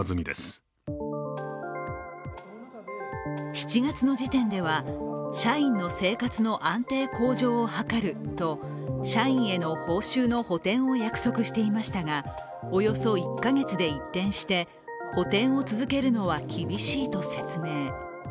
７月の時点では社員の生活の安定向上を図ると社員への報酬の補填を約束していましたが、およそ１か月で一転して補填を続けるのは厳しいと説明。